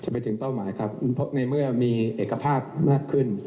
จะไปถึงต้องหมายครับในเมื่อมีเอกภาพมากขึ้น